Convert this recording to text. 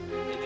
nah ini pak